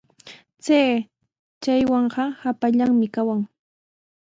Chay chakwanqa hapallanmi kawan.